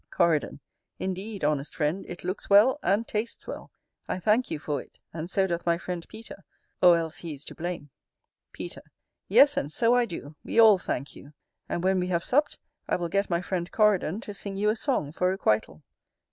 Coridon. Indeed, honest friend, it looks well, and tastes well: I thank you for it, and so doth my friend Peter, or else he is to blame. Peter. Yes, and so I do; we all thank you: and, when we have supped, I will get my friend Coridon to sing you a song for requital.